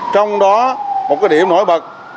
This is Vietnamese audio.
trong đó một điểm nổi bật